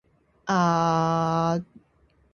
約束をしました。